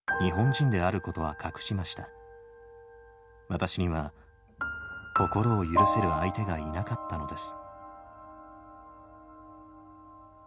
私には心を許せる相手がいなかったのです